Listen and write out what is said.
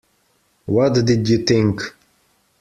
What did you think?